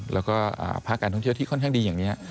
แล้วก็ภาคการทุนเชื้อที่แบบนี้ค่อนข้างดี